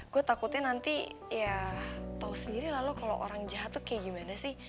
gue takutnya nanti ya tau sendiri lah lo kalau orang jahat itu kayak gimana sih